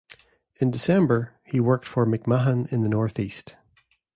In December, he worked for McMahon in the Northeast.